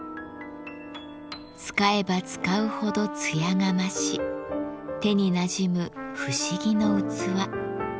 使えば使うほど艶が増し手になじむ不思議の器。